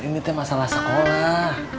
ini teh masalah sekolah